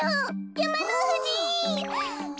やまのふじ！